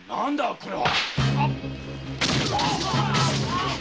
これは？